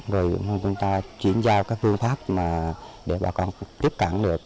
rồi chúng ta chuyển giao các phương pháp để bà con tiếp cận được